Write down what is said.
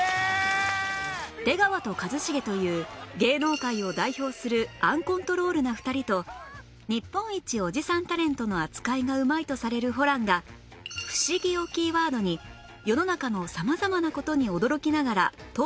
出川と一茂という芸能界を代表するアンコントロールな２人と日本一おじさんタレントの扱いがうまいとされるホランが「フシギ」をキーワードに世の中の様々な事に驚きながらトークを展開